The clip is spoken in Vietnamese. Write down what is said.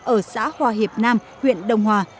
ở xã hòa hiệp nam huyện đông hòa